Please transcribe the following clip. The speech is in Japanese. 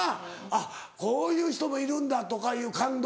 あっこういう人もいるんだとかいう感動。